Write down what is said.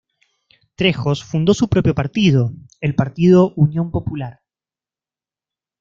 Trejos fundó su propio partido; el Partido Unión Popular.